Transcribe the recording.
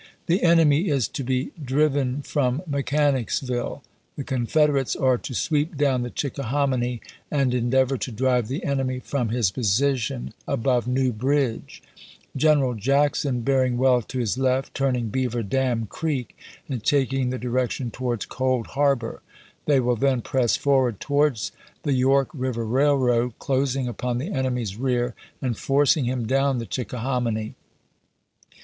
The enemy is to be " driven from Mechanicsville "; the Confederates are to " sweep down the Chicka hominy and endeavor to drive the enemy from his position above New Bridge ; General Jack son bearing well to his left, turning Beaver Dam Creek, and taking the direction towards Cold Harbor. They will then press forward towards the York River Railroad, closing upon the enemy's rear, and forcing him down the Chickahominy.